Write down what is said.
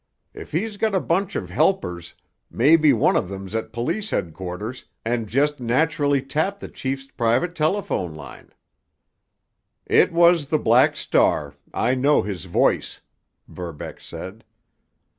If he's got a bunch of helpers, maybe one of them's at police headquarters and just naturally tapped the chief's private telephone line." "It was the Black Star—I know his voice," Verbeck said.